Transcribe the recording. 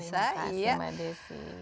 terima kasih mbak desy